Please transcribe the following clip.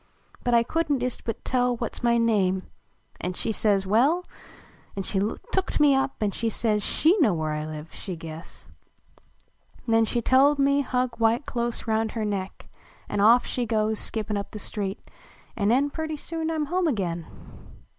But T couldn t ist but tell What s my name; an she says well, An she tooked me up an says She know where I live, she guess. 86 THE RUNAWAY LOY Nen she tolled me hug wite close Round her neck! an off she goes Skippin up the street ! An nen 1 urtv soon I in home uiruin.